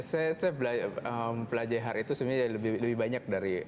ya saya belajar itu sebenarnya lebih banyak dari